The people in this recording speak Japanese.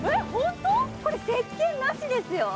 これ、せっけんなしですよ。